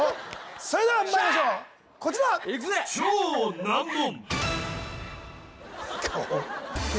それではまいりましょうこちらよっしゃ！